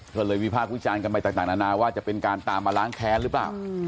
ก็เลยวิพากษ์วิจารณ์กันไปต่างนานาว่าจะเป็นการตามมาล้างแค้นหรือเปล่า